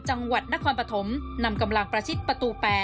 จังหวัดนครปฐมนำกำลังประชิดประตู๘